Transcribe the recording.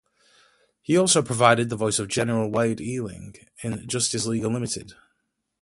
He also provided the voice of General Wade Eiling in "Justice League Unlimited".